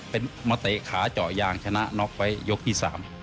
เป็นมาเตะขาเจาะยางชนะน็อกไว้ยกที่๓